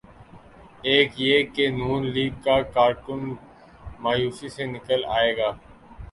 ایک یہ کہ نون لیگ کا کارکن مایوسی سے نکل آئے گا۔